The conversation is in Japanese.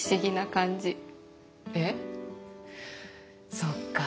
そっか。